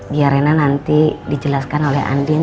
biar rena nanti dijelaskan oleh andin